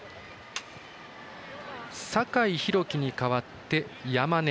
酒井宏樹に代わって山根。